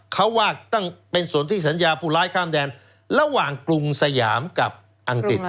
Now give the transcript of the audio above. เขาว่าต้องเป็นส่วนที่สัญญาผู้ร้ายข้ามแดนระหว่างกรุงสยามกับอังกฤษ